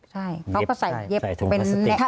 ใช่เขาก็ใส่เย็บเป็นแน่นอน